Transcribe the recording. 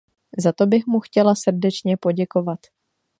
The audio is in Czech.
Za to bych mu chtěla srdečně poděkovat.